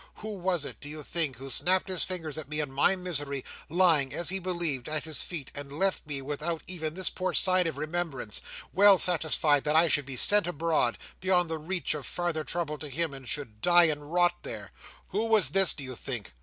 Who was it, do you think, who snapped his fingers at me in my misery, lying, as he believed, at his feet, and left me without even this poor sign of remembrance; well satisfied that I should be sent abroad, beyond the reach of farther trouble to him, and should die, and rot there? Who was this, do you think?"